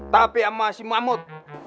tapi sama si mahmud